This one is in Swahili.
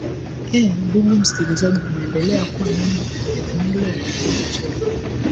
eeh ndugu msikilizaji unaendelea kuwa nami edmilo wangi cheli